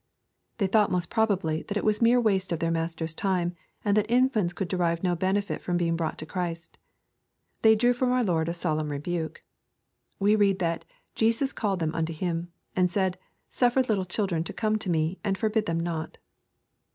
They thought most probably that it was mere waste of their Master's time, and that infants could derive no benefit from being brought to Christ. They drew from our Lord a solemn rebuke. We read that " Jesus called them unto Him, and said, Suffer little children to come unto me, and forbid them not.